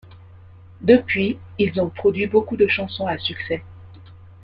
Depuis, ils ont produit beaucoup de chansons à succès.